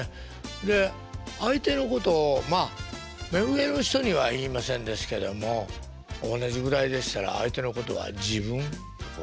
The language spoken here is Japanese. で相手のことをまあ目上の人には言いませんですけども同じぐらいでしたら相手のことは「自分」。